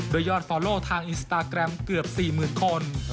โดยยอดฟอลโลทางอินสตาแกรมเกือบ๔๐๐๐คน